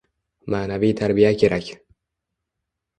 Ma’naviy tarbiya kerak!